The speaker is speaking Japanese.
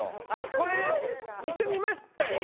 これ一緒にいましたよね？